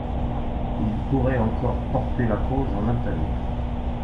Il pourrait encore porter la cause en appel.